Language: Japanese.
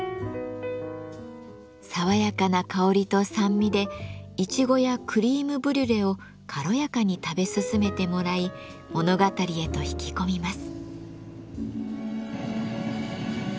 爽やかな香りと酸味でイチゴやクリームブリュレを軽やかに食べ進めてもらい物語へと引き込みます。